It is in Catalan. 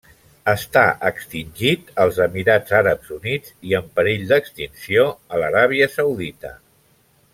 Està extingit als Emirats Àrabs Units i en perill d'extinció a l'Aràbia Saudita.